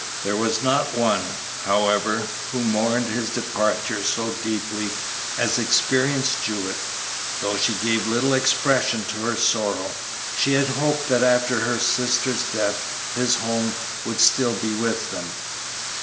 There was not one, however, who mourned his departure so deeply as Experience Jewett, though she gave little expression to her sorrow. She had hoped that after her sister's death his home would still be with them.